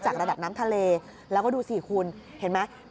ระดับน้ำทะเลแล้วก็ดูสิคุณเห็นไหม